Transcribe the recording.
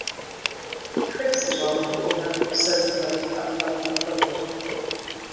Тхылъ зыщӏэмылъ унэр псэ зыхэмыт ӏэпкълъэпкъым хуэдэщ.